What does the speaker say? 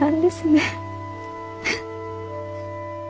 フッ。